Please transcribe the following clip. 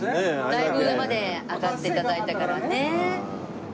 だいぶ上まで上がって頂いたからね。